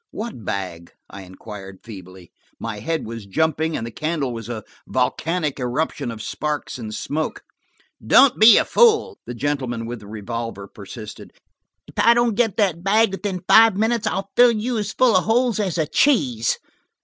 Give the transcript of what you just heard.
"What bag?" I inquired feebly. My head was jumping, and the candle was a volcanic eruption of sparks and smoke. "Don't be a fool," the gentleman with the revolver persisted. "If I don't get that bag within five minutes, I'll fill you as full of holes as a cheese."